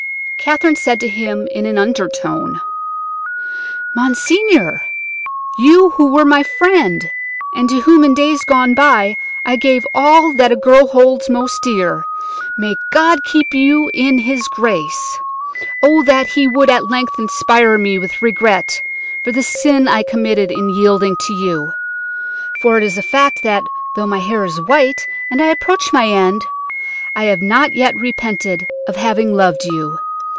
Catherine said to him in an undertone: "'Monseigneur, you who were my friend, and to whom in days gone by I gave all that a girl holds most dear, may God keep you in His grace! O, that He would at length inspire me with regret for the sin I committed in yielding to you; for it is a fact that, though my hair is white and I approach my end, I have not yet repented of having loved you.